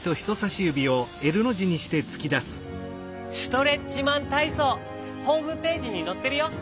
ストレッチマンたいそうホームページにのってるよ。